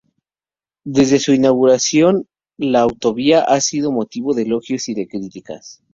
Desde su inauguración la autovía ha sido motivo de elogios y de críticas.